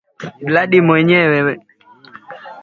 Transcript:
Sisi ni chama cha Amani, chama cha utawala wa sharia